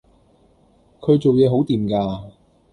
佢做嘢好掂㗎